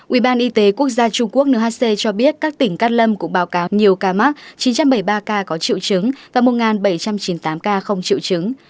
ubnd quốc gia trung quốc nhc cho biết các tỉnh cát lâm cũng báo cáo nhiều ca mắc chín trăm bảy mươi ba ca có triệu chứng và một bảy trăm chín mươi tám ca không triệu chứng